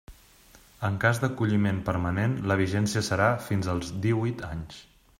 En cas d'acolliment permanent la vigència serà fins als díhuit anys.